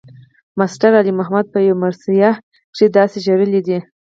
ماسټر علي محمد پۀ يو مرثيه کښې داسې ژړلے دے